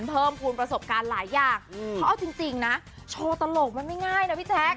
เพิ่มภูมิประสบการณ์หลายอย่างเพราะเอาจริงนะโชว์ตลกมันไม่ง่ายนะพี่แจ๊ค